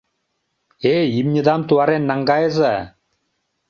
Эй, имньыдам туарен наҥгайыза!